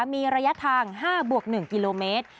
มีระยะทาง๕บวก๑กิโลเมตร